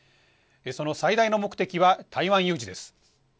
その最大の目的は台湾有事です。